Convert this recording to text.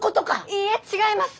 いいえ違います！